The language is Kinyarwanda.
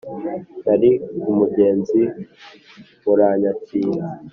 nari umugenzi muranyakira